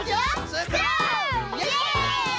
イエイ！